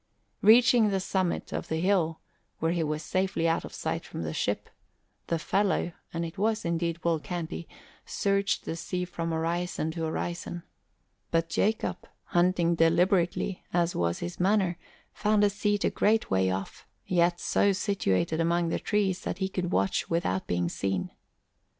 Reaching the summit, of the hill, where he was safely out of sight from the ship, the fellow and it was indeed Will Canty searched the sea from horizon to horizon; but Jacob, hunting deliberately as was his manner, found a seat a great way off, yet so situated among the trees that he could watch without being seen.